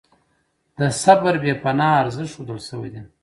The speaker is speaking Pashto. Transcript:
د صبر بې پناه ارزښت ښودل شوی دی.